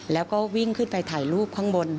แล้วก็วิ่งขึ้นไปถ่ายรูปข้างบน